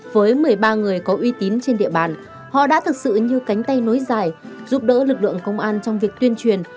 với một mươi ba người có uy tín trên địa bàn họ đã thực sự như cánh tay nối dài giúp đỡ lực lượng công an trong việc tuyên truyền